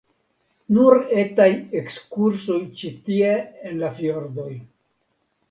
Nur etaj ekskursoj ĉi tie en la fjordoj.